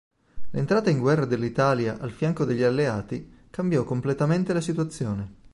L'entrata in guerra dell'Italia al fianco degli alleati cambiò completamente la situazione.